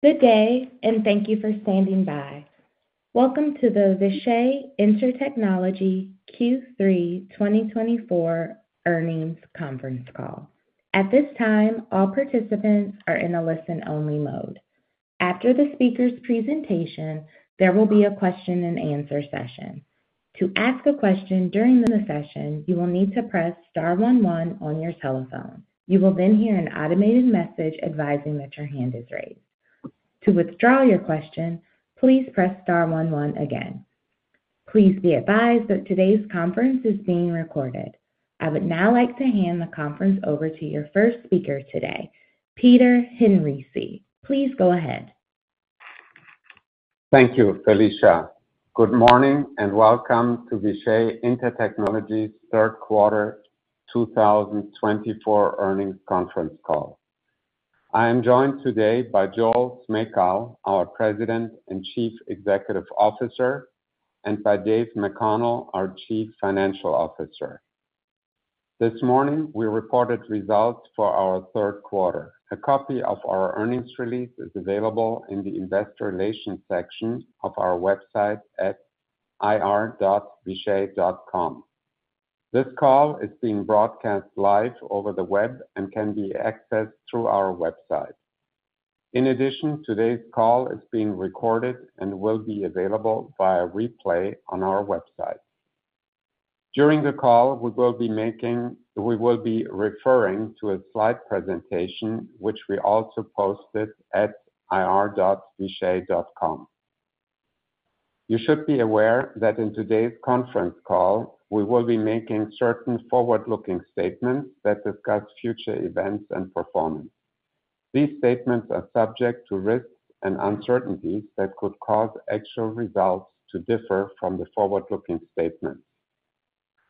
Good day, and thank you for standing by. Welcome to the Vishay Intertechnology Q3 2024 earnings conference call. At this time, all participants are in a listen-only mode. After the speaker's presentation, there will be a question-and-answer session. To ask a question during the session, you will need to press star one one on your telephone. You will then hear an automated message advising that your hand is raised. To withdraw your question, please press star one one again. Please be advised that today's conference is being recorded. I would now like to hand the conference over to your first speaker today, Peter Henrici. Please go ahead. Thank you, Felicia. Good morning and welcome to Vishay Intertechnology's third quarter 2024 earnings conference call. I am joined today by Joel Smejkal, our President and Chief Executive Officer, and by Dave McConnell, our Chief Financial Officer. This morning, we reported results for our third quarter. A copy of our earnings release is available in the investor relations section of our website at ir.vishay.com. This call is being broadcast live over the web and can be accessed through our website. In addition, today's call is being recorded and will be available via replay on our website. During the call, we will be referring to a slide presentation, which we also posted at ir.vishay.com. You should be aware that in today's conference call, we will be making certain forward-looking statements that discuss future events and performance. These statements are subject to risks and uncertainties that could cause actual results to differ from the forward-looking statements.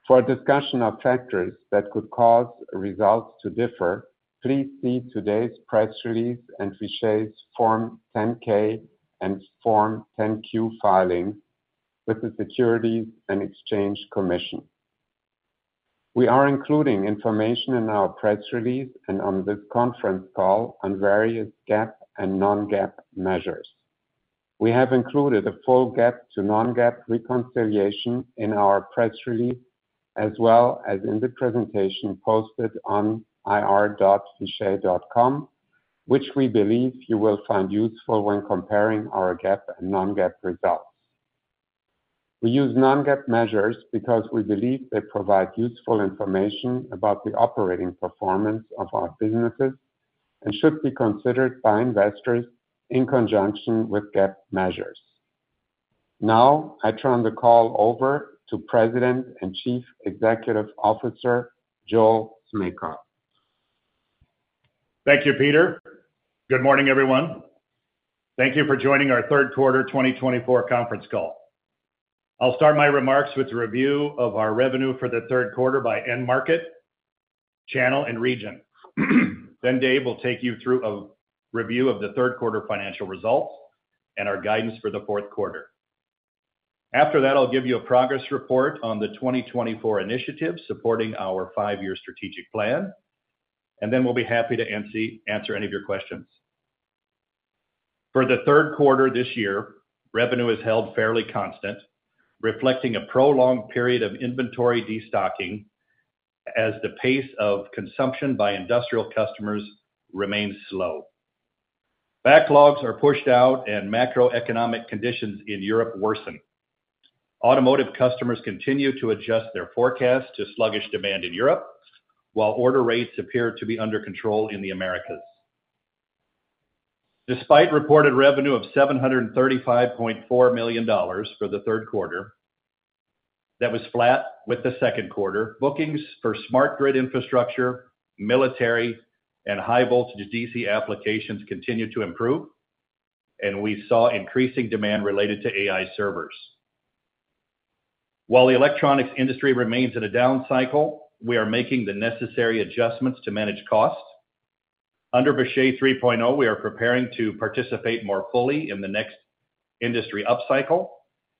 For a discussion of factors that could cause results to differ, please see today's press release and Vishay's Form 10-K and Form 10-Q filings with the Securities and Exchange Commission. We are including information in our press release and on this conference call on various GAAP and non-GAAP measures. We have included a full GAAP to non-GAAP reconciliation in our press release, as well as in the presentation posted on ir.vishay.com, which we believe you will find useful when comparing our GAAP and non-GAAP results. We use non-GAAP measures because we believe they provide useful information about the operating performance of our businesses and should be considered by investors in conjunction with GAAP measures. Now, I turn the call over to President and Chief Executive Officer Joel Smejkal. Thank you Peter. Good morning, everyone. Thank you for joining our third quarter 2024 conference call. I'll start my remarks with a review of our revenue for the third quarter by end market, channel, and region. Then Dave will take you through a review of the third quarter financial results and our guidance for the fourth quarter. After that, I'll give you a progress report on the 2024 initiative supporting our five-year strategic plan, and then we'll be happy to answer any of your questions. For the third quarter this year, revenue has held fairly constant, reflecting a prolonged period of inventory destocking as the pace of consumption by industrial customers remains slow. Backlogs are pushed out, and macroeconomic conditions in Europe worsen. Automotive customers continue to adjust their forecasts to sluggish demand in Europe, while order rates appear to be under control in the Americas. Despite reported revenue of $735.4 million for the third quarter, that was flat with the second quarter. Bookings for smart grid infrastructure, military, and high-voltage DC applications continue to improve, and we saw increasing demand related to AI servers. While the electronics industry remains in a down cycle, we are making the necessary adjustments to manage costs. Under Vishay 3.0, we are preparing to participate more fully in the next industry upcycle,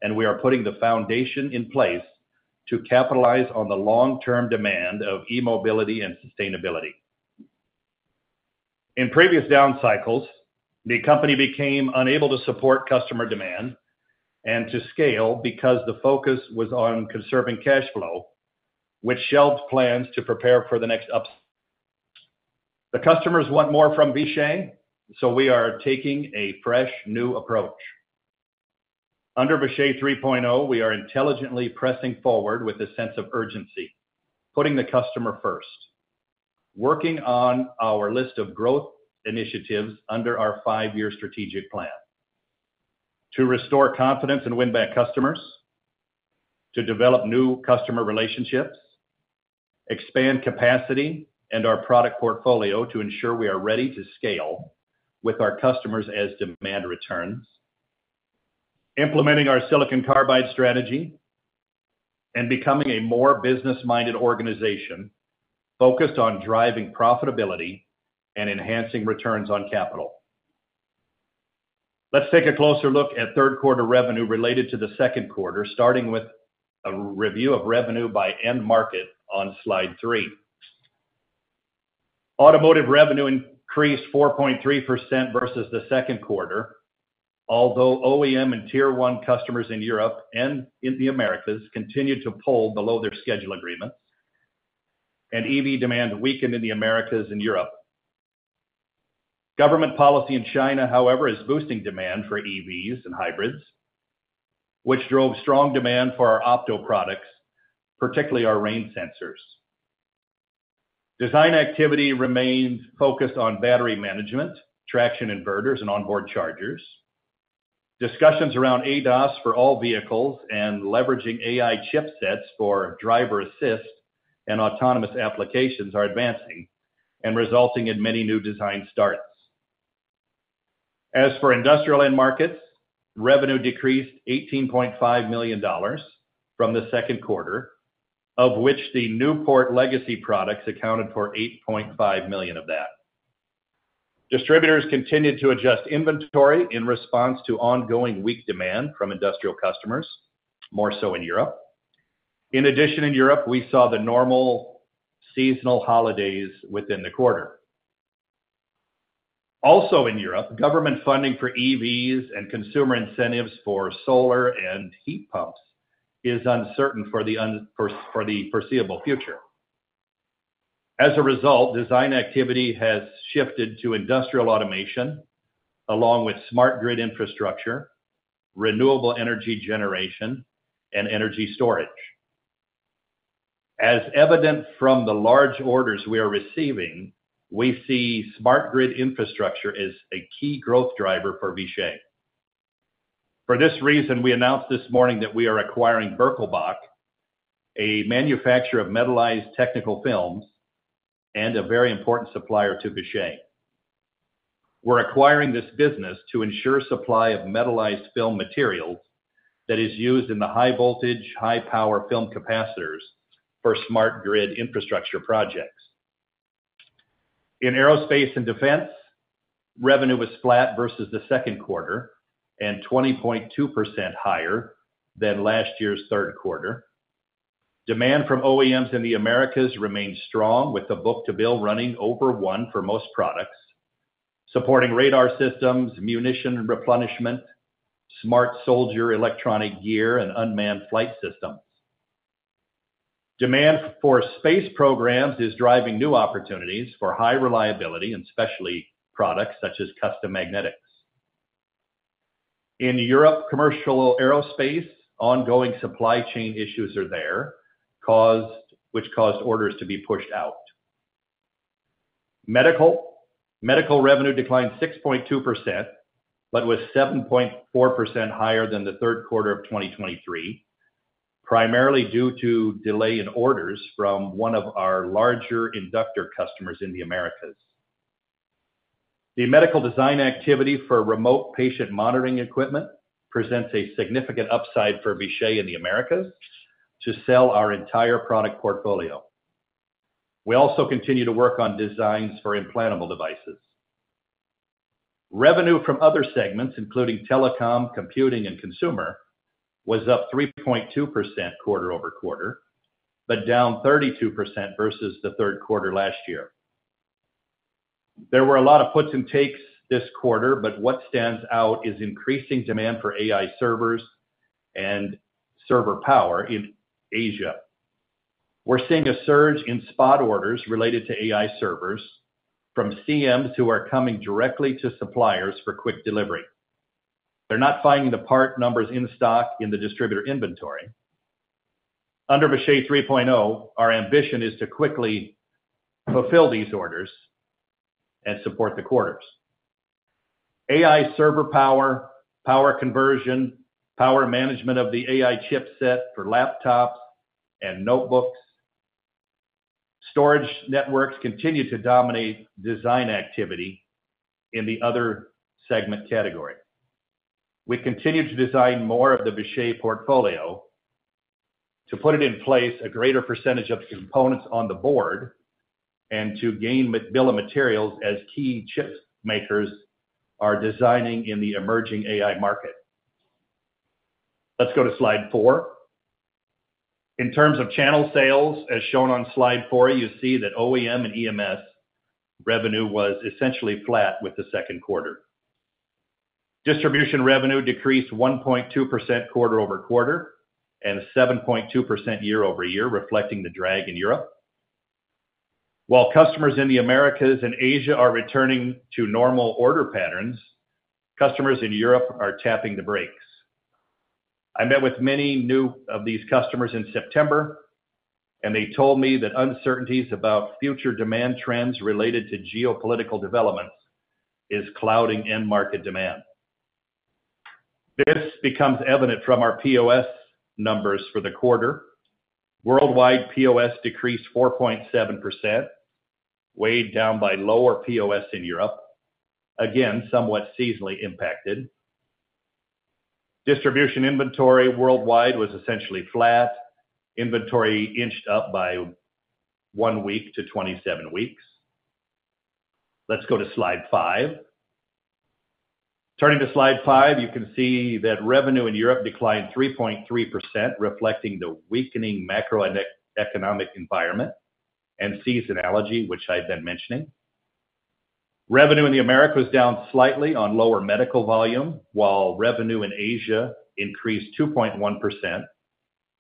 and we are putting the foundation in place to capitalize on the long-term demand of e-mobility and sustainability. In previous down cycles, the company became unable to support customer demand and to scale because the focus was on conserving cash flow, which shelved plans to prepare for the next upcycle. The customers want more from Vishay, so we are taking a fresh new approach. Under Vishay 3.0, we are intelligently pressing forward with a sense of urgency, putting the customer first, working on our list of growth initiatives under our five-year strategic plan to restore confidence and win back customers, to develop new customer relationships, expand capacity and our product portfolio to ensure we are ready to scale with our customers as demand returns, implementing our silicon carbide strategy, and becoming a more business-minded organization focused on driving profitability and enhancing returns on capital. Let's take a closer look at third quarter revenue related to the second quarter, starting with a review of revenue by end market on slide three. Automotive revenue increased 4.3% versus the second quarter, although OEM and tier one customers in Europe and in the Americas continued to pull below their schedule agreements, and EV demand weakened in the Americas and Europe. Government policy in China, however, is boosting demand for EVs and hybrids, which drove strong demand for our Opto products, particularly our rain sensors. Design activity remained focused on battery management, traction inverters, and onboard chargers. Discussions around ADAS for all vehicles and leveraging AI chipsets for driver assist and autonomous applications are advancing and resulting in many new design starts. As for industrial end markets, revenue decreased $18.5 million from the second quarter, of which the Newport legacy products accounted for $8.5 million of that. Distributors continued to adjust inventory in response to ongoing weak demand from industrial customers, more so in Europe. In addition, in Europe, we saw the normal seasonal holidays within the quarter. Also in Europe, government funding for EVs and consumer incentives for solar and heat pumps is uncertain for the foreseeable future. As a result, design activity has shifted to industrial automation along with smart grid infrastructure, renewable energy generation, and energy storage. As evident from the large orders we are receiving, we see smart grid infrastructure as a key growth driver for Vishay. For this reason, we announced this morning that we are acquiring Birkelbach, a manufacturer of metallized technical films and a very important supplier to Vishay. We're acquiring this business to ensure supply of metallized film materials that is used in the high-voltage, high-power film capacitors for smart grid infrastructure projects. In aerospace and defense, revenue was flat versus the second quarter and 20.2% higher than last year's third quarter. Demand from OEMs in the Americas remained strong, with the book-to-bill running over one for most products supporting radar systems, munition replenishment, smart soldier electronic gear, and unmanned flight systems. Demand for space programs is driving new opportunities for high reliability and specialty products such as custom magnetics. In Europe, commercial aerospace, ongoing supply chain issues are there, which caused orders to be pushed out. Medical revenue declined 6.2%, but was 7.4% higher than the third quarter of 2023, primarily due to delay in orders from one of our larger inductor customers in the Americas. The medical design activity for remote patient monitoring equipment presents a significant upside for Vishay in the Americas to sell our entire product portfolio. We also continue to work on designs for implantable devices. Revenue from other segments, including telecom, computing, and consumer, was up 3.2% quarter over quarter, but down 32% versus the third quarter last year. There were a lot of puts and takes this quarter, but what stands out is increasing demand for AI servers and server power in Asia. We're seeing a surge in spot orders related to AI servers from CMs who are coming directly to suppliers for quick delivery. They're not finding the part numbers in stock in the distributor inventory. Under Vishay 3.0, our ambition is to quickly fulfill these orders and support the quarters. AI server power, power conversion, power management of the AI chipset for laptops and notebooks, storage networks continue to dominate design activity in the other segment category. We continue to design more of the Vishay portfolio to put it in place, a greater percentage of the components on the board, and to gain bill of materials as key chip makers are designing in the emerging AI market. Let's go to slide four. In terms of channel sales, as shown on slide four, you see that OEM and EMS revenue was essentially flat with the second quarter. Distribution revenue decreased 1.2% quarter over quarter and 7.2% year over year, reflecting the drag in Europe. While customers in the Americas and Asia are returning to normal order patterns, customers in Europe are tapping the brakes. I met with many of these customers in September, and they told me that uncertainties about future demand trends related to geopolitical developments are clouding end market demand. This becomes evident from our POS numbers for the quarter. Worldwide POS decreased 4.7%, weighed down by lower POS in Europe, again somewhat seasonally impacted. Distribution inventory worldwide was essentially flat, inventory inched up by one week to 27 weeks. Let's go to slide five. Turning to slide five, you can see that revenue in Europe declined 3.3%, reflecting the weakening macroeconomic environment and seasonality, which I've been mentioning. Revenue in the Americas was down slightly on lower medical volume, while revenue in Asia increased 2.1%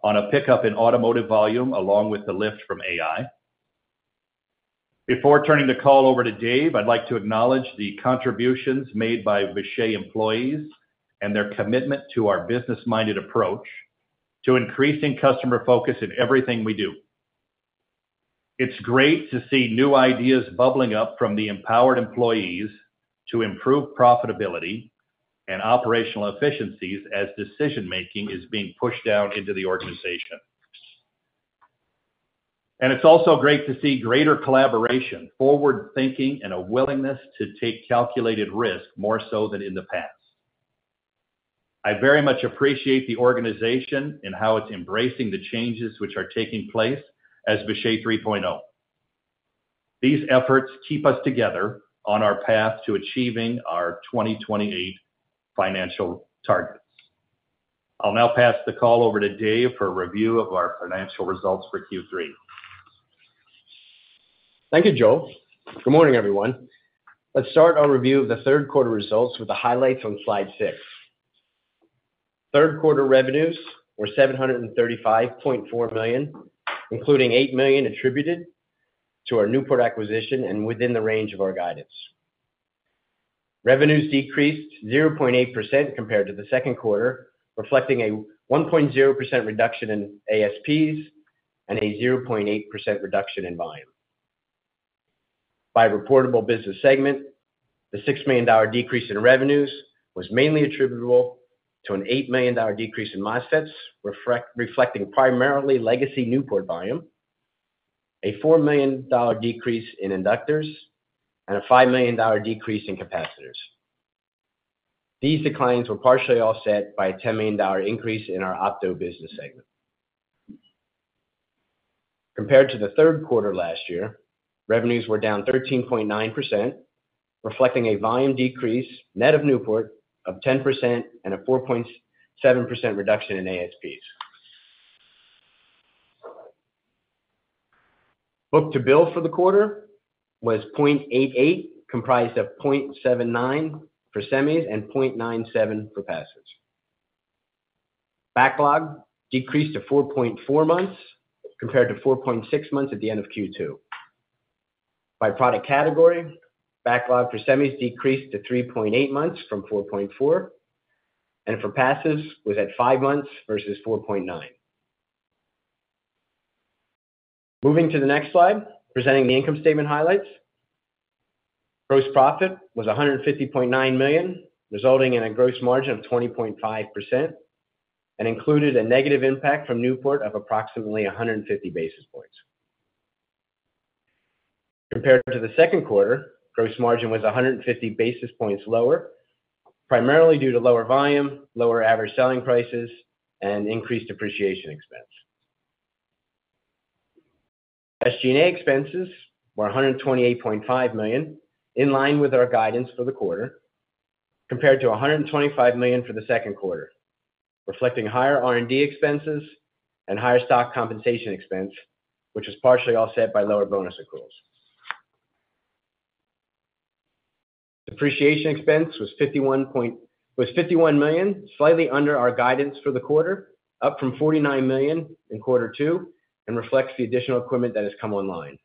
on a pickup in automotive volume along with the lift from AI. Before turning the call over to Dave, I'd like to acknowledge the contributions made by Vishay employees and their commitment to our business-minded approach to increasing customer focus in everything we do. It's great to see new ideas bubbling up from the empowered employees to improve profitability and operational efficiencies as decision-making is being pushed down into the organization, and it's also great to see greater collaboration, forward-thinking, and a willingness to take calculated risk more so than in the past. I very much appreciate the organization and how it's embracing the changes which are taking place as Vishay 3.0. These efforts keep us together on our path to achieving our 2028 financial targets. I'll now pass the call over to Dave for a review of our financial results for Q3. Thank you Joel. Good morning, everyone. Let's start our review of the third quarter results with the highlights on slide six. Third quarter revenues were $735.4 million, including $8 million attributed to our Newport acquisition and within the range of our guidance. Revenues decreased 0.8% compared to the second quarter, reflecting a 1.0% reduction in ASPs and a 0.8% reduction in volume. By reportable business segment, the $6 million decrease in revenues was mainly attributable to an $8 million decrease in MOSFETs, reflecting primarily legacy Newport volume, a $4 million decrease in inductors, and a $5 million decrease in capacitors. These declines were partially offset by a $10 million increase in our Opto business segment. Compared to the third quarter last year, revenues were down 13.9%, reflecting a volume decrease net of Newport of 10% and a 4.7% reduction in ASPs. Book-to-bill for the quarter was 0.88, comprised of 0.79 for semis and 0.97 for passes. Backlog decreased to 4.4 months compared to 4.6 months at the end of Q2. By product category, backlog for semis decreased to 3.8 months from 4.4, and for passes was at 5 months versus 4.9. Moving to the next slide, presenting the income statement highlights. Gross profit was $150.9 million, resulting in a gross margin of 20.5% and included a negative impact from Newport of approximately 150 basis points. Compared to the second quarter, gross margin was 150 basis points lower, primarily due to lower volume, lower average selling prices, and increased depreciation expense. SG&A expenses were $128.5 million, in line with our guidance for the quarter, compared to $125 million for the second quarter, reflecting higher R&D expenses and higher stock compensation expense, which was partially offset by lower bonus accruals. Depreciation expense was $51 million, slightly under our guidance for the quarter, up from $49 million in quarter two and reflects the additional equipment that has come online.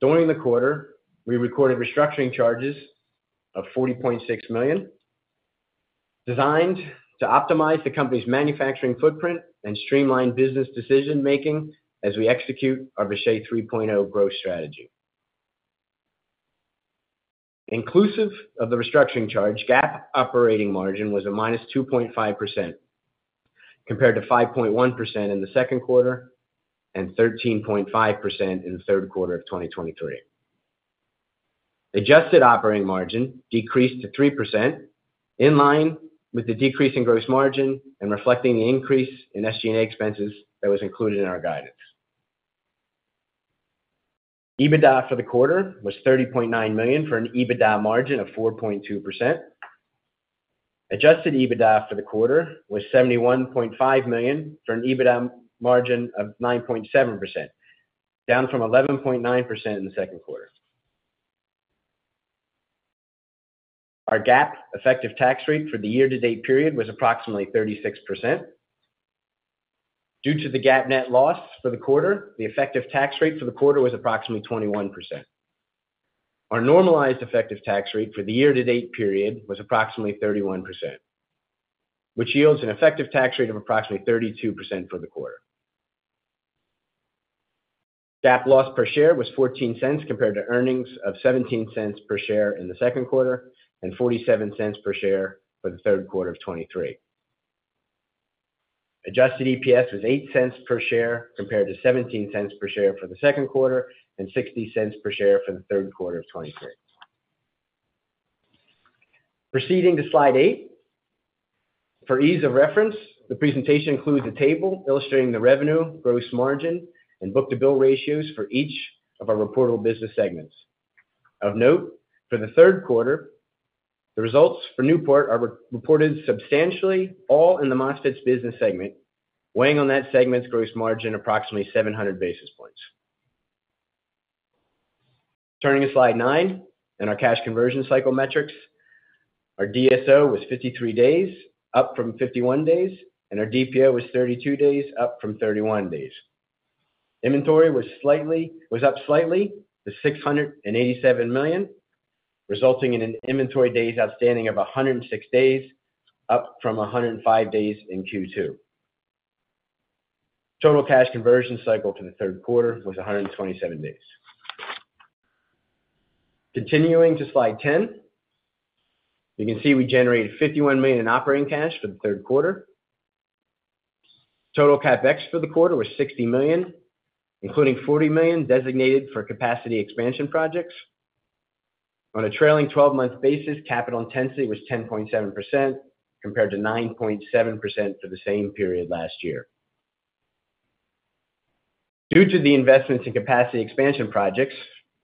During the quarter, we recorded restructuring charges of $40.6 million, designed to optimize the company's manufacturing footprint and streamline business decision-making as we execute our Vishay 3.0 growth strategy. Inclusive of the restructuring charge, GAAP operating margin was a minus 2.5%, compared to 5.1% in the second quarter and 13.5% in the third quarter of 2023. Adjusted operating margin decreased to 3%, in line with the decrease in gross margin and reflecting the increase in SG&A expenses that was included in our guidance. EBITDA for the quarter was $30.9 million for an EBITDA margin of 4.2%. Adjusted EBITDA for the quarter was $71.5 million for an EBITDA margin of 9.7%, down from 11.9% in the second quarter. Our GAAP effective tax rate for the year-to-date period was approximately 36%. Due to the GAAP net loss for the quarter, the effective tax rate for the quarter was approximately 21%. Our normalized effective tax rate for the year-to-date period was approximately 31%, which yields an effective tax rate of approximately 32% for the quarter. GAAP loss per share was $0.14 compared to earnings of $0.17 per share in the second quarter and $0.47 per share for the third quarter of 2023. Adjusted EPS was $0.08 per share compared to $0.17 per share for the second quarter and $0.60 per share for the third quarter of 2023. Proceeding to slide eight. For ease of reference, the presentation includes a table illustrating the revenue, gross margin, and book-to-bill ratios for each of our reportable business segments. Of note, for the third quarter, the results for Newport are reported substantially all in the MOSFETs business segment, weighing on that segment's gross margin approximately 700 basis points. Turning to slide nine and our cash conversion cycle metrics, our DSO was 53 days, up from 51 days, and our DPO was 32 days, up from 31 days. Inventory was up slightly to $687 million, resulting in an inventory days outstanding of 106 days, up from 105 days in Q2. Total cash conversion cycle for the third quarter was 127 days. Continuing to slide 10, you can see we generated $51 million in operating cash for the third quarter. Total capex for the quarter was $60 million, including $40 million designated for capacity expansion projects. On a trailing 12-month basis, capital intensity was 10.7% compared to 9.7% for the same period last year. Due to the investments in capacity expansion projects,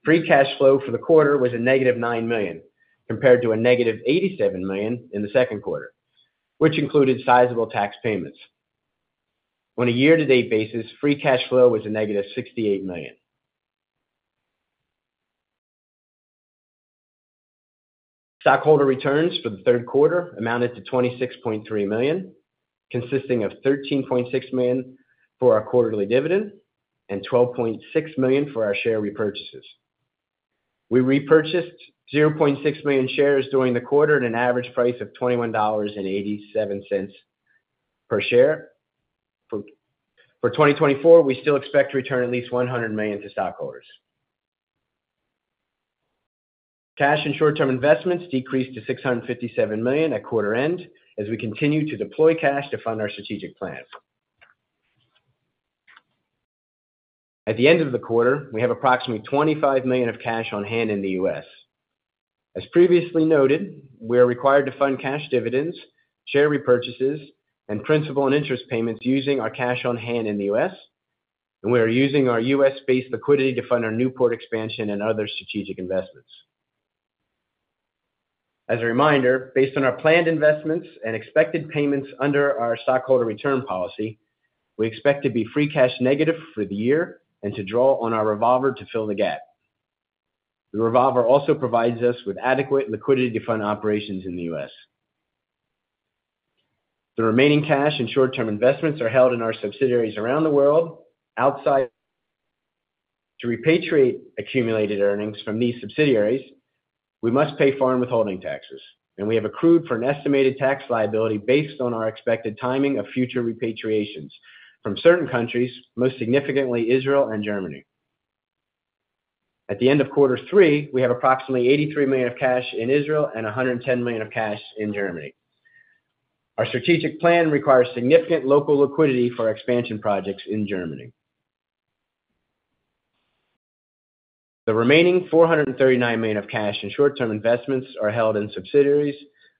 free cash flow for the quarter was a negative $9 million compared to a negative $87 million in the second quarter, which included sizable tax payments. On a year-to-date basis, free cash flow was a negative $68 million. Stockholder returns for the third quarter amounted to $26.3 million, consisting of $13.6 million for our quarterly dividend and $12.6 million for our share repurchases. We repurchased 0.6 million shares during the quarter at an average price of $21.87 per share. For 2024, we still expect to return at least $100 million to stockholders. Cash and short-term investments decreased to $657 million at quarter end as we continue to deploy cash to fund our strategic plans. At the end of the quarter, we have approximately $25 million of cash on hand in the U.S. As previously noted, we are required to fund cash dividends, share repurchases, and principal and interest payments using our cash on hand in the U.S., and we are using our U.S.-based liquidity to fund our Newport expansion and other strategic investments. As a reminder, based on our planned investments and expected payments under our stockholder return policy, we expect to be free cash negative for the year and to draw on our revolver to fill the gap. The revolver also provides us with adequate liquidity to fund operations in the U.S. The remaining cash and short-term investments are held in our subsidiaries around the world. In order to repatriate accumulated earnings from these subsidiaries, we must pay foreign withholding taxes, and we have accrued for an estimated tax liability based on our expected timing of future repatriations from certain countries, most significantly Israel and Germany. At the end of quarter three, we have approximately $83 million of cash in Israel and $110 million of cash in Germany. Our strategic plan requires significant local liquidity for expansion projects in Germany. The remaining $439 million of cash and short-term investments are held in subsidiaries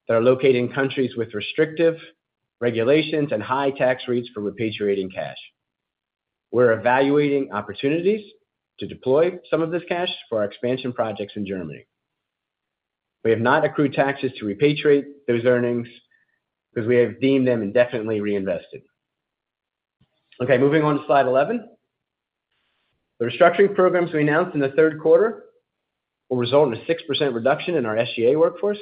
that are located in countries with restrictive regulations and high tax rates for repatriating cash. We're evaluating opportunities to deploy some of this cash for our expansion projects in Germany. We have not accrued taxes to repatriate those earnings because we have deemed them indefinitely reinvested. Okay, moving on to slide 11. The restructuring programs we announced in the third quarter will result in a 6% reduction in our SG&A workforce,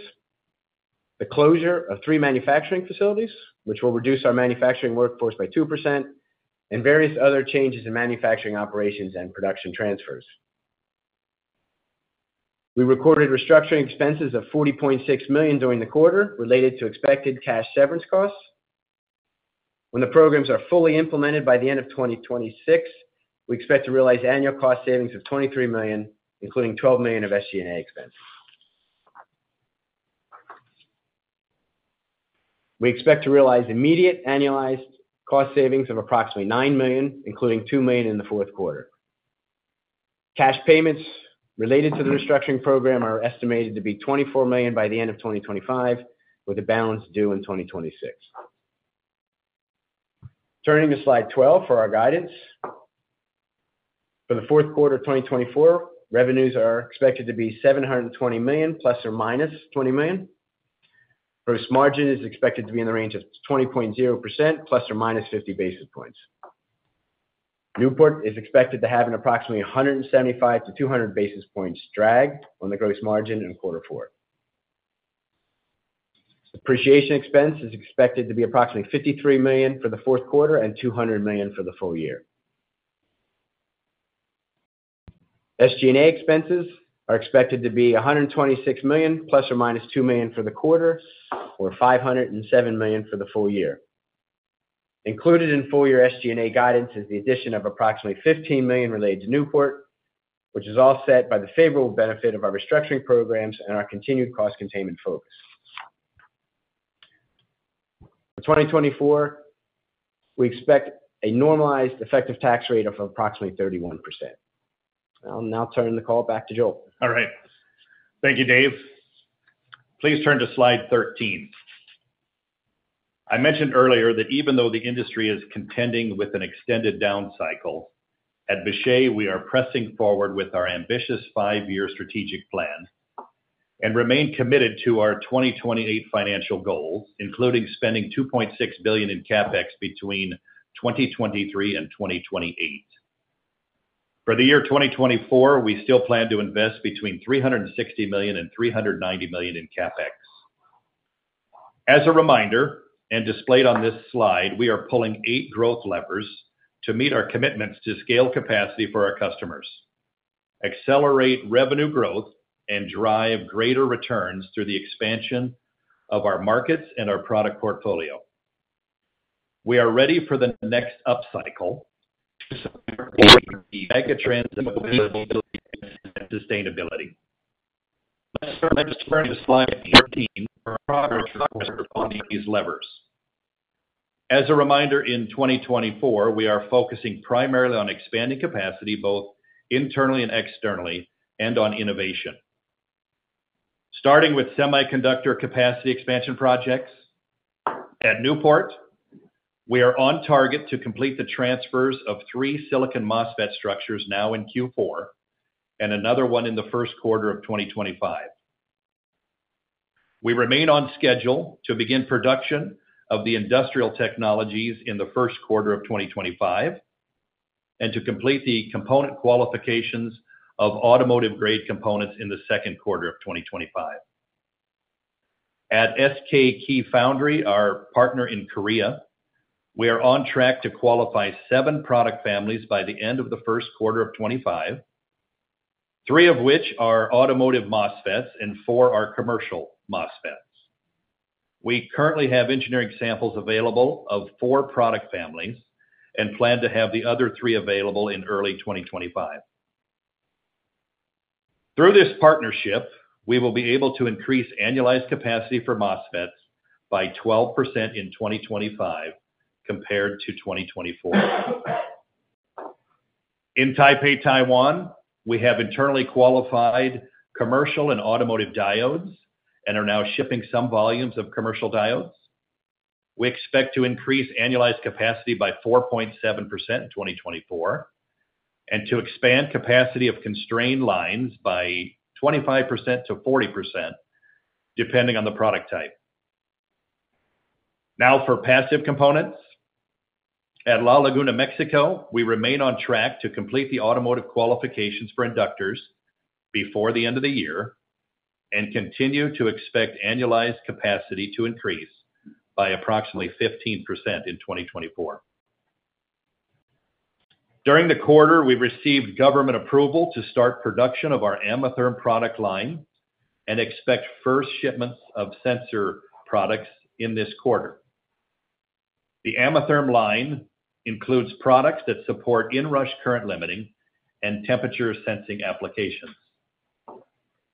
the closure of three manufacturing facilities, which will reduce our manufacturing workforce by 2%, and various other changes in manufacturing operations and production transfers. We recorded restructuring expenses of $40.6 million during the quarter related to expected cash severance costs. When the programs are fully implemented by the end of 2026, we expect to realize annual cost savings of $23 million, including $12 million of SG&A expenses. We expect to realize immediate annualized cost savings of approximately $9 million, including $2 million in the fourth quarter. Cash payments related to the restructuring program are estimated to be $24 million by the end of 2025, with a balance due in 2026. Turning to slide 12 for our guidance. For the fourth quarter of 2024, revenues are expected to be $720 million plus or minus $20 million. Gross margin is expected to be in the range of 20.0% plus or minus 50 basis points. Newport is expected to have an approximately 175-200 basis points drag on the gross margin in quarter four. Appreciation expense is expected to be approximately $53 million for the fourth quarter and $200 million for the full year. SG&A expenses are expected to be $126 million plus or minus $2 million for the quarter, or $507 million for the full year. Included in full year SG&A guidance is the addition of approximately $15 million related to Newport, which is offset by the favorable benefit of our restructuring programs and our continued cost containment focus. For 2024, we expect a normalized effective tax rate of approximately 31%. I'll now turn the call back to Joel. All right. Thank you Dave. Please turn to slide 13. I mentioned earlier that even though the industry is contending with an extended down cycle, at Vishay, we are pressing forward with our ambitious five-year strategic plan and remain committed to our 2028 financial goals, including spending $2.6 billion in CapEx between 2023 and 2028. For the year 2024, we still plan to invest between $360 million and $390 million in CapEx. As a reminder and displayed on this slide, we are pulling eight growth levers to meet our commitments to scale capacity for our customers, accelerate revenue growth, and drive greater returns through the expansion of our markets and our product portfolio. We are ready for the next up cycle to support the mega trends in mobility and sustainability. Let's turn to slide 13 for our progress report on these levers. As a reminder, in 2024, we are focusing primarily on expanding capacity both internally and externally and on innovation. Starting with semiconductor capacity expansion projects at Newport, we are on target to complete the transfers of three silicon MOSFET structures now in Q4 and another one in the first quarter of 2025. We remain on schedule to begin production of the industrial technologies in the first quarter of 2025 and to complete the component qualifications of automotive-grade components in the second quarter of 2025. At SK Keyfoundry, our partner in Korea, we are on track to qualify seven product families by the end of the first quarter of 2025, three of which are automotive MOSFETs and four are commercial MOSFETs. We currently have engineering samples available of four product families and plan to have the other three available in early 2025. Through this partnership, we will be able to increase annualized capacity for MOSFETs by 12% in 2025 compared to 2024. In Taipei, Taiwan, we have internally qualified commercial and automotive diodes and are now shipping some volumes of commercial diodes. We expect to increase annualized capacity by 4.7% in 2024 and to expand capacity of constrained lines by 25%-40%, depending on the product type. Now, for passive components, at La Laguna, Mexico, we remain on track to complete the automotive qualifications for inductors before the end of the year and continue to expect annualized capacity to increase by approximately 15% in 2024. During the quarter, we received government approval to start production of our Ametherm product line and expect first shipments of sensor products in this quarter. The Ametherm line includes products that support in-rush current limiting and temperature sensing applications.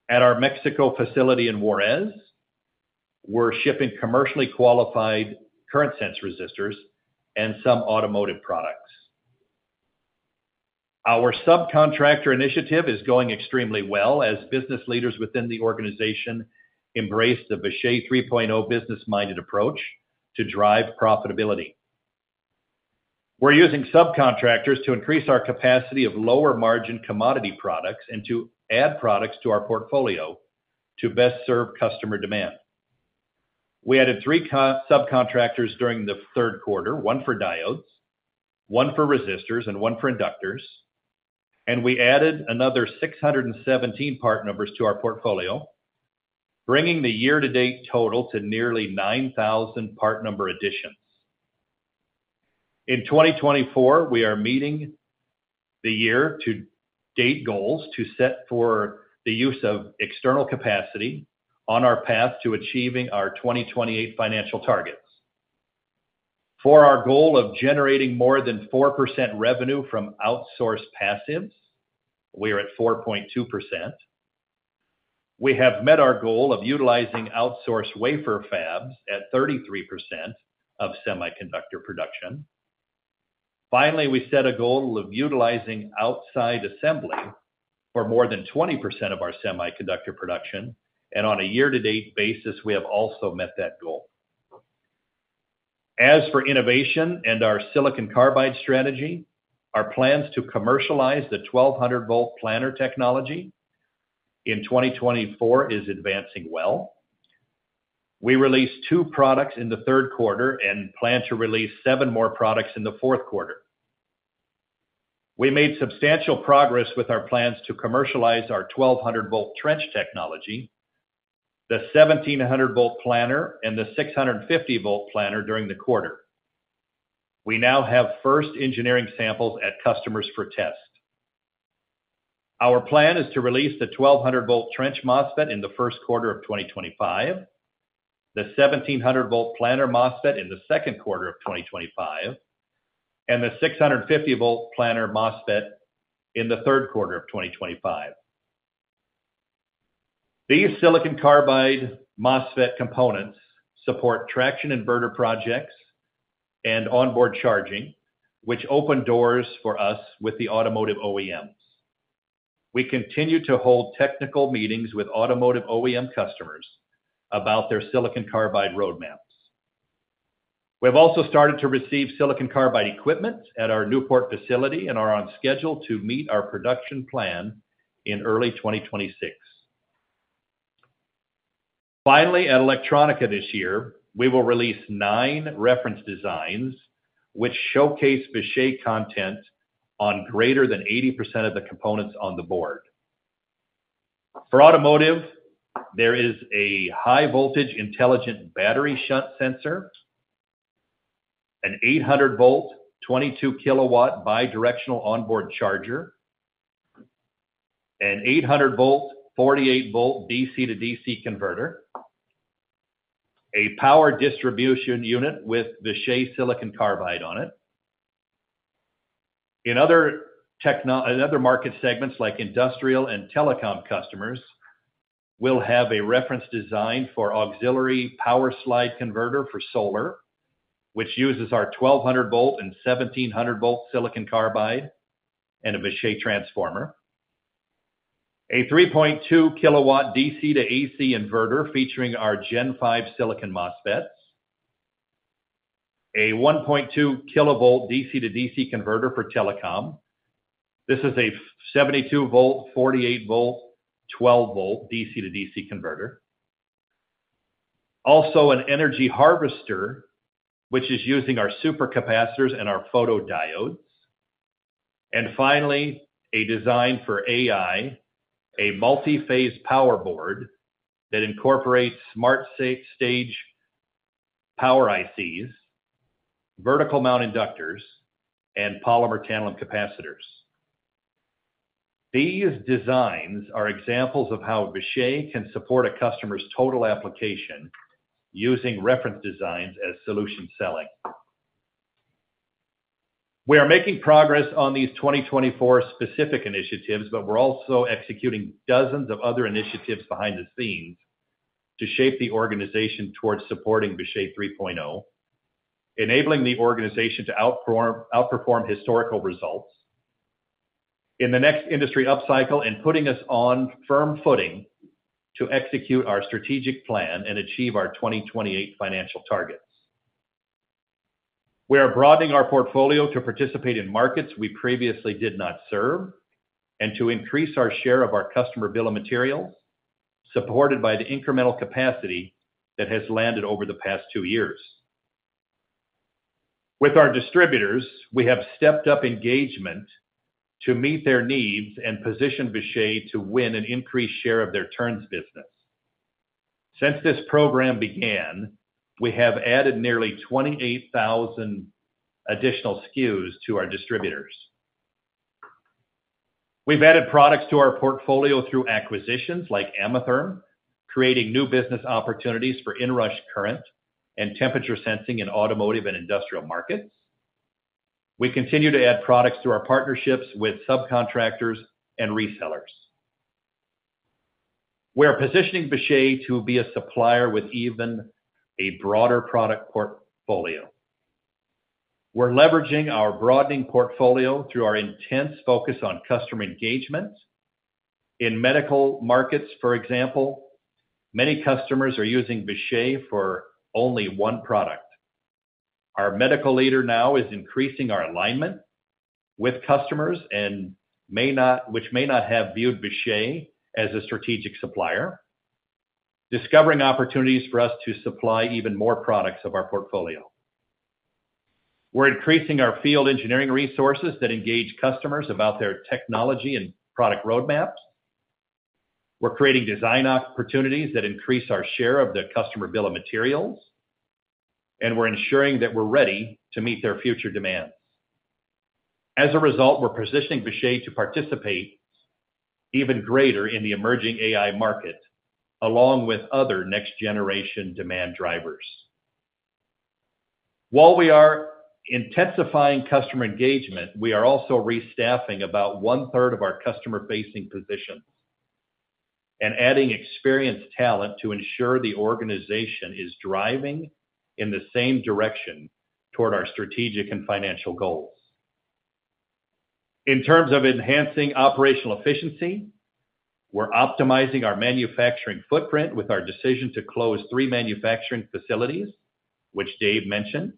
At our Mexico facility in Juárez, we're shipping commercially qualified current sense resistors and some automotive products. Our subcontractor initiative is going extremely well as business leaders within the organization embrace the Vishay 3.0 business-minded approach to drive profitability. We're using subcontractors to increase our capacity of lower margin commodity products and to add products to our portfolio to best serve customer demand. We added three subcontractors during the third quarter, one for diodes, one for resistors, and one for inductors, and we added another 617 part numbers to our portfolio, bringing the year-to-date total to nearly 9,000 part number additions. In 2024, we are meeting the year-to-date goals to set for the use of external capacity on our path to achieving our 2028 financial targets. For our goal of generating more than 4% revenue from outsourced passives, we are at 4.2%. We have met our goal of utilizing outsourced wafer fabs at 33% of semiconductor production. Finally, we set a goal of utilizing outside assembly for more than 20% of our semiconductor production, and on a year-to-date basis, we have also met that goal. As for innovation and our silicon carbide strategy, our plans to commercialize the 1,200-volt planar technology in 2024 are advancing well. We released two products in the third quarter and plan to release seven more products in the fourth quarter. We made substantial progress with our plans to commercialize our 1,200-volt trench technology, the 1,700-volt planar, and the 650-volt planar during the quarter. We now have first engineering samples at customers for test. Our plan is to release the 1,200-volt trench MOSFET in the first quarter of 2025, the 1,700-volt planar MOSFET in the second quarter of 2025, and the 650-volt planar MOSFET in the third quarter of 2025. These silicon carbide MOSFET components support traction inverter projects and onboard charging, which open doors for us with the automotive OEMs. We continue to hold technical meetings with automotive OEM customers about their silicon carbide roadmaps. We have also started to receive silicon carbide equipment at our Newport facility and are on schedule to meet our production plan in early 2026. Finally, at Electronica this year, we will release nine reference designs, which showcase Vishay content on greater than 80% of the components on the board. For automotive, there is a high-voltage intelligent battery shunt sensor, an 800-volt, 22-kilowatt bi-directional onboard charger, an 800-volt, 48-volt DC-to-DC converter, and a power distribution unit with Vishay silicon carbide on it. In other market segments like industrial and telecom customers, we'll have a reference design for auxiliary power slide converter for solar, which uses our 1,200-volt and 1,700-volt silicon carbide and a Vishay transformer, a 3.2-kilowatt DC-to-AC inverter featuring our Gen5 silicon MOSFETs, and a 1.2-kilovolt DC-to-DC converter for telecom. This is a 72-volt, 48-volt, 12-volt DC-to-DC converter. Also, an energy harvester, which is using our supercapacitors and our photodiodes, and finally, a design for AI, a multi-phase power board that incorporates Smart Stage power ICs, vertical mount inductors, and polymer tantalum capacitors. These designs are examples of how Vishay can support a customer's total application using reference designs as solution selling. We are making progress on these 2024 specific initiatives, but we're also executing dozens of other initiatives behind the scenes to shape the organization towards supporting Vishay 3.0, enabling the organization to outperform historical results in the next industry up cycle and putting us on firm footing to execute our strategic plan and achieve our 2028 financial targets. We are broadening our portfolio to participate in markets we previously did not serve and to increase our share of our customer bill of materials, supported by the incremental capacity that has landed over the past two years. With our distributors, we have stepped up engagement to meet their needs and position Vishay to win an increased share of their turns business. Since this program began, we have added nearly 28,000 additional SKUs to our distributors. We've added products to our portfolio through acquisitions like Ametherm, creating new business opportunities for in-rush current and temperature sensing in automotive and industrial markets. We continue to add products to our partnerships with subcontractors and resellers. We are positioning Vishay to be a supplier with even a broader product portfolio. We're leveraging our broadening portfolio through our intense focus on customer engagement. In medical markets, for example, many customers are using Vishay for only one product. Our medical leader now is increasing our alignment with customers, which may not have viewed Vishay as a strategic supplier, discovering opportunities for us to supply even more products of our portfolio. We're increasing our field engineering resources that engage customers about their technology and product roadmaps. We're creating design opportunities that increase our share of the customer bill of materials, and we're ensuring that we're ready to meet their future demands. As a result, we're positioning Vishay to participate even greater in the emerging AI market, along with other next-generation demand drivers. While we are intensifying customer engagement, we are also restaffing about one-third of our customer-facing positions and adding experienced talent to ensure the organization is driving in the same direction toward our strategic and financial goals. In terms of enhancing operational efficiency, we're optimizing our manufacturing footprint with our decision to close three manufacturing facilities, which Dave mentioned.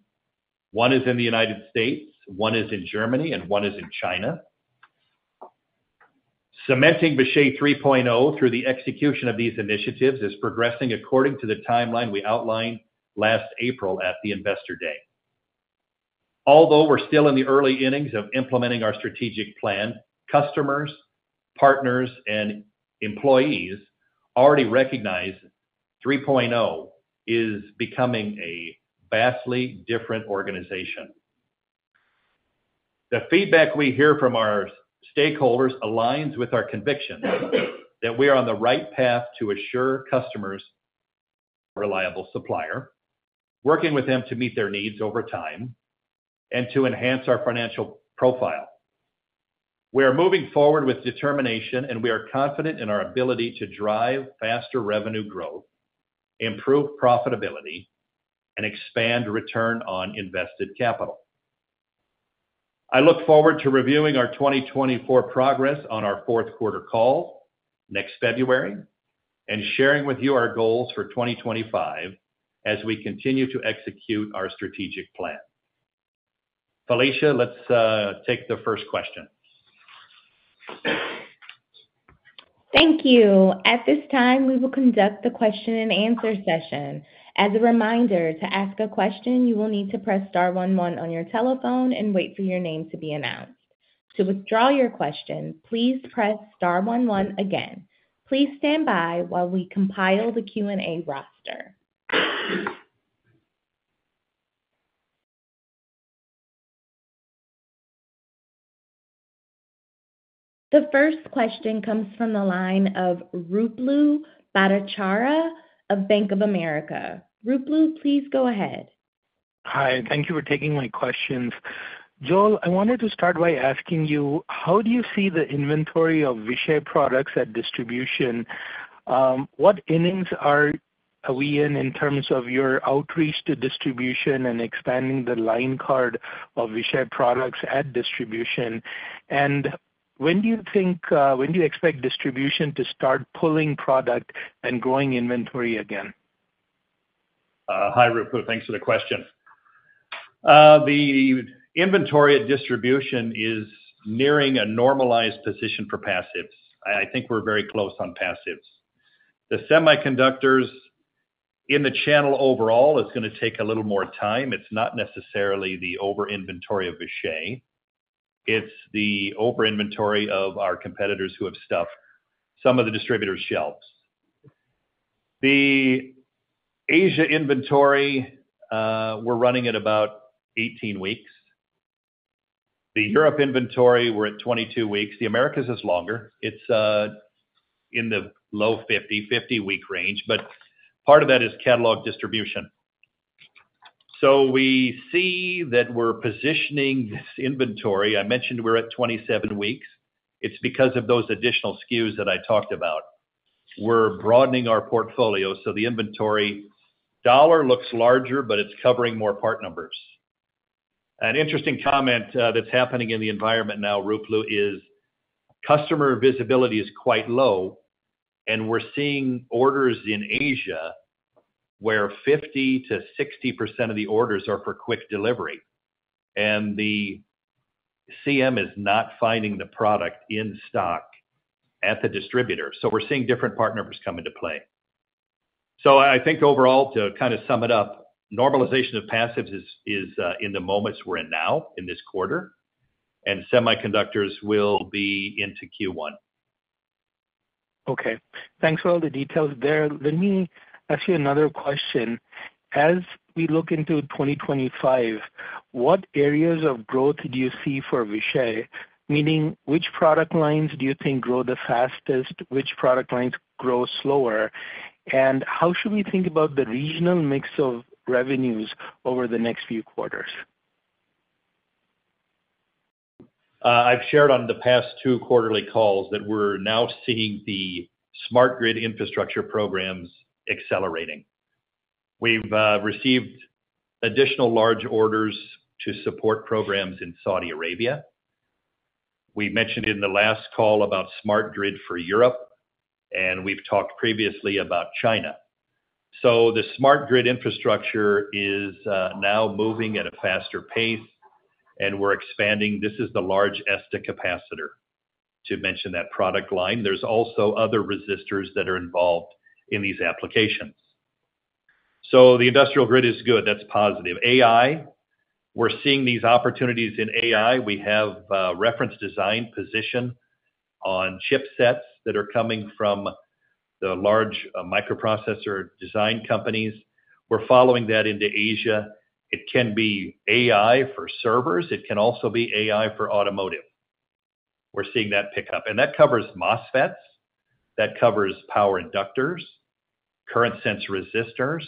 One is in the United States, one is in Germany, and one is in China. Cementing Vishay 3.0 through the execution of these initiatives is progressing according to the timeline we outlined last April at the Investor Day. Although we're still in the early innings of implementing our strategic plan, customers, partners, and employees already recognize 3.0 is becoming a vastly different organization. The feedback we hear from our stakeholders aligns with our conviction that we are on the right path to assure customers a reliable supplier, working with them to meet their needs over time and to enhance our financial profile. We are moving forward with determination, and we are confident in our ability to drive faster revenue growth, improve profitability, and expand return on invested capital. I look forward to reviewing our 2024 progress on our fourth quarter call next February and sharing with you our goals for 2025 as we continue to execute our strategic plan. Felicia, let's take the first question. Thank you. At this time, we will conduct the question-and-answer session. As a reminder, to ask a question, you will need to press star one one on your telephone and wait for your name to be announced. To withdraw your question, please press star one one again. Please stand by while we compile the Q&A roster. The first question comes from the line of Ruplu Bhattacharya of Bank of America. Ruplu, please go ahead. Hi. Thank you for taking my questions. Joel, I wanted to start by asking you, how do you see the inventory of Vishay products at distribution? What innings are we in in terms of your outreach to distribution and expanding the line card of Vishay products at distribution? And when do you expect distribution to start pulling product and growing inventory again? Hi, Ruplu. Thanks for the question. The inventory at distribution is nearing a normalized position for passives. I think we're very close on passives. The semiconductors in the channel overall is going to take a little more time. It's not necessarily the over-inventory of Vishay. It's the over-inventory of our competitors who have stuffed some of the distributors' shelves. The Asia inventory, we're running at about 18 weeks. The Europe inventory, we're at 22 weeks. The Americas is longer. It's in the low 50, 50-week range, but part of that is catalog distribution, so we see that we're positioning this inventory. I mentioned we're at 27 weeks. It's because of those additional SKUs that I talked about. We're broadening our portfolio so the inventory dollar looks larger, but it's covering more part numbers. An interesting comment that's happening in the environment now, Ruplu, is customer visibility is quite low, and we're seeing orders in Asia where 50% to 60% of the orders are for quick delivery, and the CM is not finding the product in stock at the distributor so we're seeing different part numbers come into play. So I think overall, to kind of sum it up, normalization of passives is in the moments we're in now in this quarter, and semiconductors will be into Q1. Okay. Thanks for all the details there. Let me ask you another question. As we look into 2025, what areas of growth do you see for Vishay, meaning which product lines do you think grow the fastest, which product lines grow slower, and how should we think about the regional mix of revenues over the next few quarters? I've shared on the past two quarterly calls that we're now seeing the smart grid infrastructure programs accelerating. We've received additional large orders to support programs in Saudi Arabia. We mentioned in the last call about smart grid for Europe, and we've talked previously about China. So the smart grid infrastructure is now moving at a faster pace, and we're expanding. This is the large ESTA capacitor, to mention that product line. There's also other resistors that are involved in these applications. So the industrial grid is good. That's positive. AI, we're seeing these opportunities in AI. We have reference design position on chipsets that are coming from the large microprocessor design companies. We're following that into Asia. It can be AI for servers. It can also be AI for automotive. We're seeing that pick up. And that covers MOSFETs. That covers power inductors, current sense resistors,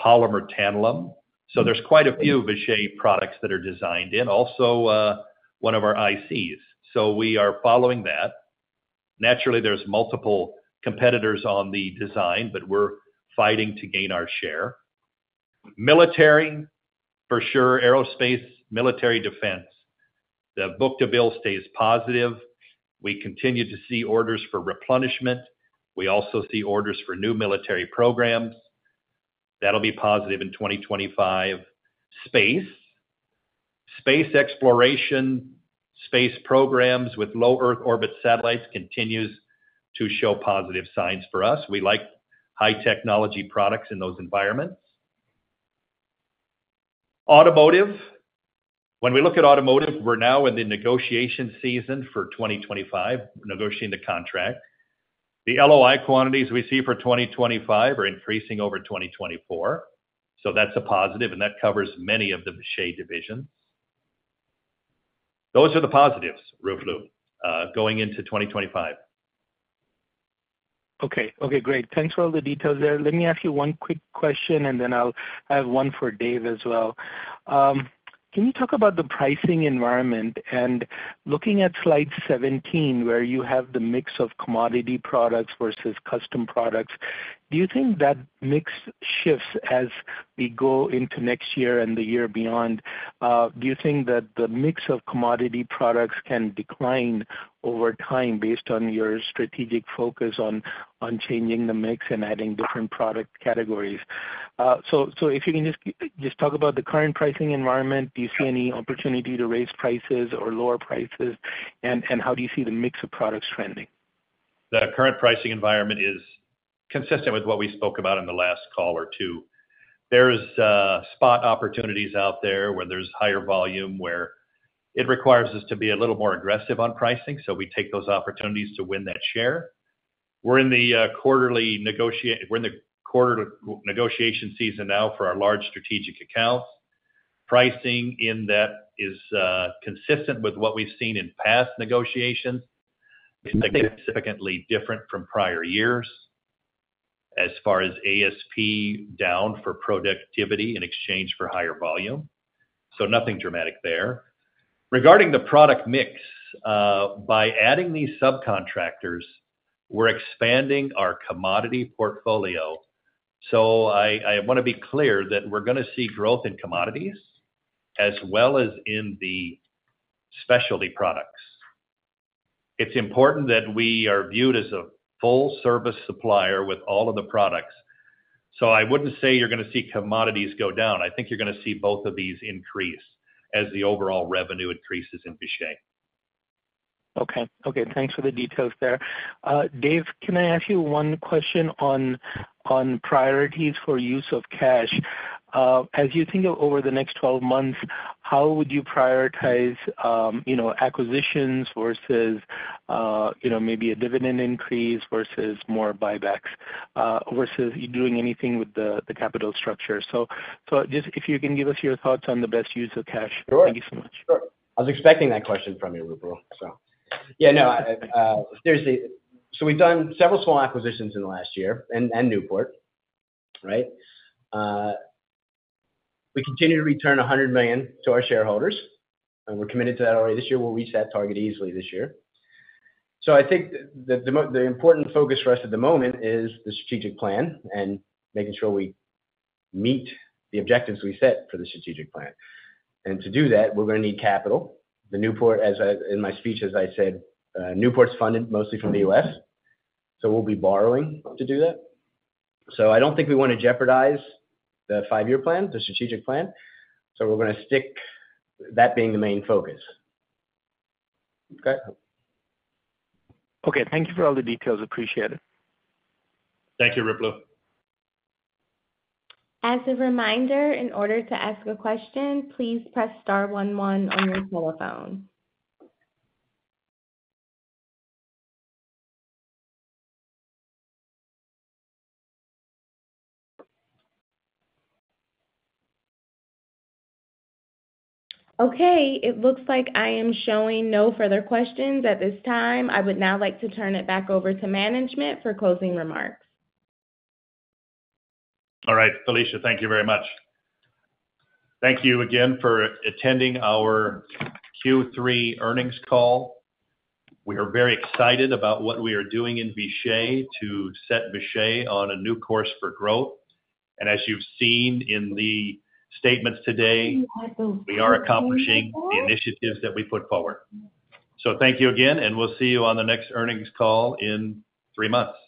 polymer tandem. So there's quite a few Vishay products that are designed in, also one of our ICs. So we are following that. Naturally, there's multiple competitors on the design, but we're fighting to gain our share. Military, for sure, aerospace, military defense. The book-to-bill stays positive. We continue to see orders for replenishment. We also see orders for new military programs. That'll be positive in 2025. Space exploration, space programs with low Earth orbit satellites continues to show positive signs for us. We like high-tech technology products in those environments. Automotive, when we look at automotive, we're now in the negotiation season for 2025, negotiating the contract. The LOI quantities we see for 2025 are increasing over 2024. So that's a positive, and that covers many of the Vishay divisions. Those are the positives, Ruplu, going into 2025. Okay. Okay. Great. Thanks for all the details there. Let me ask you one quick question, and then I'll have one for Dave as well. Can you talk about the pricing environment? And looking at slide 17, where you have the mix of commodity products versus custom products, do you think that mix shifts as we go into next year and the year beyond? Do you think that the mix of commodity products can decline over time based on your strategic focus on changing the mix and adding different product categories? So if you can just talk about the current pricing environment, do you see any opportunity to raise prices or lower prices, and how do you see the mix of products trending? The current pricing environment is consistent with what we spoke about in the last call or two. There's spot opportunities out there where there's higher volume, where it requires us to be a little more aggressive on pricing. So we take those opportunities to win that share. We're in the quarterly negotiation season now for our large strategic accounts. Pricing in that is consistent with what we've seen in past negotiations. It's significantly different from prior years as far as ASP down for productivity in exchange for higher volume. So nothing dramatic there. Regarding the product mix, by adding these subcontractors, we're expanding our commodity portfolio. So I want to be clear that we're going to see growth in commodities as well as in the specialty products. It's important that we are viewed as a full-service supplier with all of the products. So I wouldn't say you're going to see commodities go down. I think you're going to see both of these increase as the overall revenue increases in Vishay. Okay. Okay. Thanks for the details there. Dave, can I ask you one question on priorities for use of cash? As you think of over the next 12 months, how would you prioritize acquisitions versus maybe a dividend increase versus more buybacks versus doing anything with the capital structure? So just if you can give us your thoughts on the best use of cash. Thank you so much. Sure. I was expecting that question from you, Ruplu, so. Yeah. No. So we've done several small acquisitions in the last year and Newport, right? We continue to return $100 million to our shareholders, and we're committed to that already this year. We'll reach that target easily this year. So I think the important focus for us at the moment is the strategic plan and making sure we meet the objectives we set for the strategic plan. And to do that, we're going to need capital. The Newport, as in my speech, as I said, Newport's funded mostly from the U.S. So we'll be borrowing to do that. So I don't think we want to jeopardize the five-year plan, the strategic plan. So we're going to stick that being the main focus. Okay? Okay. Thank you for all the details. Appreciate it. Thank you, Ruplu. As a reminder, in order to ask a question, please press star 11 on your telephone. Okay. It looks like I am showing no further questions at this time. I would now like to turn it back over to management for closing remarks. All right. Felicia, thank you very much. Thank you again for attending our Q3 earnings call. We are very excited about what we are doing in Vishay to set Vishay on a new course for growth. And as you've seen in the statements today, we are accomplishing the initiatives that we put forward. So thank you again, and we'll see you on the next earnings call in three months.